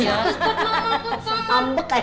ya ampun mama ampun